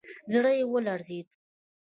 زړه يې ولړزېد.